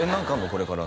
これから」